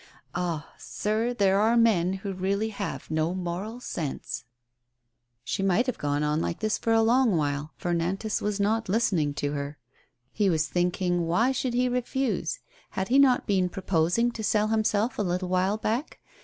Ah! sir, there are men who really have no moral sense." 74 A STABTLING PROPOSITIOIT, She might have gone on like this for a long while, for Nantas was not listening to her. lie was thinking why should he refuse? Had he not been proposing to sell himself a little while back?